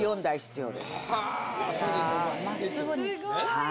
はい。